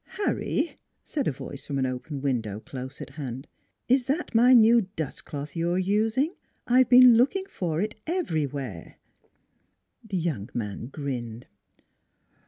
" Harry," said a voice from an open window close at hand, " is that my new dust cloth you're using? I've been looking for it everywhere." The young man grinned.